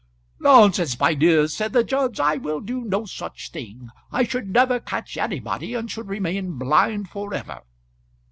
"Nonsense, my dears," said the judge. "I will do no such thing. I should never catch anybody, and should remain blind for ever."